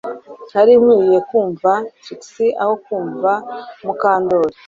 Nari nkwiye kumva Trix aho kumva Mukandoli